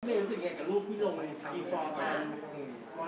มีรู้สึกยังไงกับรูปที่โหล่งมาทำ